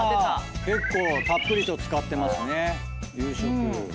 結構たっぷりと使ってますね。